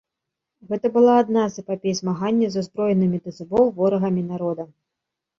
Гэта была адна з эпапей змагання з узброенымі да зубоў ворагамі народа.